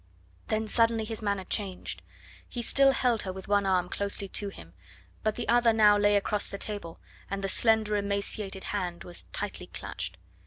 Then suddenly his manner changed. He still held her with one arm closely to, him, but the other now lay across the table, and the slender, emaciated hand was tightly clutched.